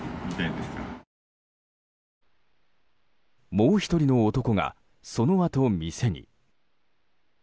もう１人の男がそのあと、店に。